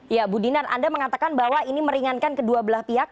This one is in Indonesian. ya bu dinar anda mengatakan bahwa ini meringankan kedua belah pihak